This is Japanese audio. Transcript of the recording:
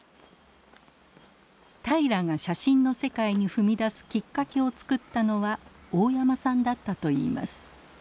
平良が写真の世界に踏み出すきっかけをつくったのは大山さんだったといいます。